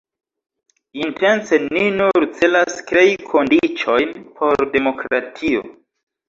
Intence ni nur celas krei kondiĉojn por demokratio.